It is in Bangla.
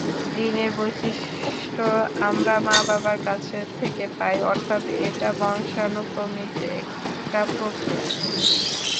জিনের বৈশিষ্ট্য আমরা মা-বাবার কাছে থেকে পাই, অর্থাৎ এটা বংশানুক্রমিক একটা প্রক্রিয়া।